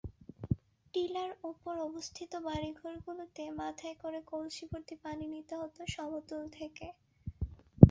Tiller ওপর অবস্থিত বাড়িঘরগুলোতে মাথায় করে কলসিভর্তি পানি নিতে হতো সমতল থেকে।